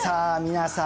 皆さん